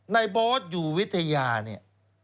ในบอสอยู่วิทยาเนี่ย